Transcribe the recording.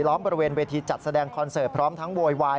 บริเวณเวทีจัดแสดงคอนเสิร์ตพร้อมทั้งโวยวาย